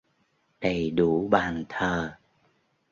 Đầy đủ bàn thờ